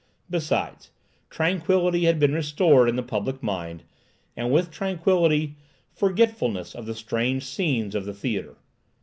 Besides, tranquillity had been restored in the public mind, and with tranquillity, forgetfulness of the strange scenes of the theatre.